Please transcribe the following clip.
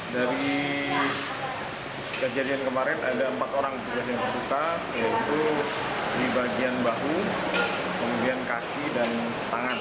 dari kejadian kemarin ada empat orang petugas yang terluka yaitu di bagian bahu kemudian kaki dan tangan